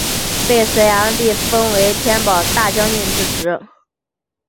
被隋炀帝封为天保大将军之职。